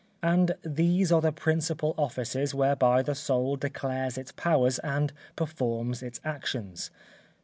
And these are the principal offices whereby the soul declares its powers and performs its actions.